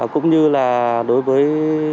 cũng như là đối với